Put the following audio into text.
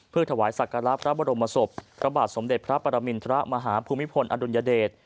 ถวายสักการะพระบรมศพพระบาทสมเด็จพระปรมินทรมาฮภูมิพลอดุลยเดช